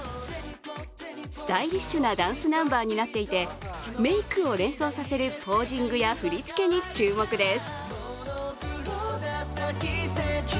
スタイリッシュなダンスナンバーになっていて、メイクを連想させるポージングや振り付けに注目です。